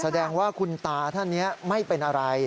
แสดงว่าคุณตาท่านนี้ไม่เป็นอะไร